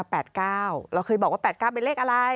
เราเคยบอกว่า๘๙เป็นเลขอะไร